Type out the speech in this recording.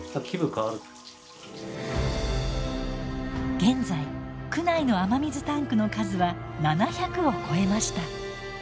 現在区内の雨水タンクの数は７００を超えました。